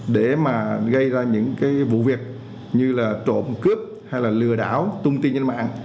để mà gây ra những cái vụ việc như là trộm cướp hay là lừa đảo tung tin trên mạng